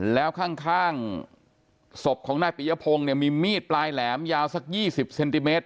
แล้วข้างศพของนายปียพงศ์เนี่ยมีมีดปลายแหลมยาวสัก๒๐เซนติเมตร